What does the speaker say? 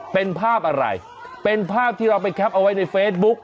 เป็นภาพอะไรเป็นภาพที่เราไปแคปเอาไว้ในเฟซบุ๊ก